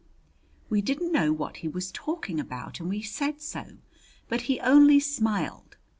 We didn't know what he was talking about, and we said so. But he only smiled.